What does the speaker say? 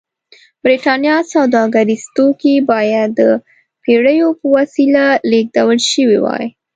برېټانیا سوداګریز توکي باید د بېړیو په وسیله لېږدول شوي وای.